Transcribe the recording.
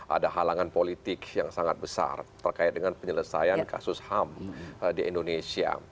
ada halangan politik yang sangat besar terkait dengan penyelesaian kasus ham di indonesia